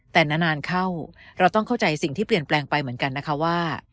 แต่นานเข้าเราต้องเข้าใจสิ่งที่เปลี่ยนแปลงไปเหมือนกันนะคะว่า